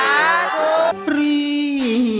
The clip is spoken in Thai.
เรียกพี่ได้ไหม